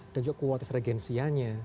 dan juga kuatis regensianya